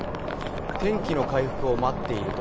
天気の回復を待っていると。